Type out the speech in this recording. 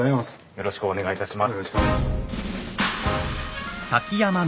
よろしくお願いします。